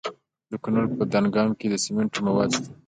د کونړ په دانګام کې د سمنټو مواد شته.